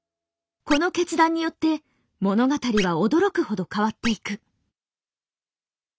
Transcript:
この決断によって物語は驚くほど変わっていく。